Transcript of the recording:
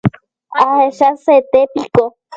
Ahechasete piko.